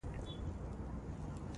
نوی کهول او نوې منظرې تر سترګو کېږي.